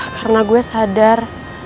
karena gue sadar